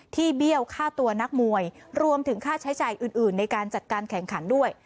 เบี้ยวค่าตัวนักมวยรวมถึงค่าใช้จ่ายอื่นในการจัดการแข่งขันด้วย